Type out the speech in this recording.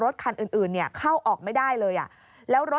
นี่ค่ะคุณผู้ชมพอเราคุยกับเพื่อนบ้านเสร็จแล้วนะน้า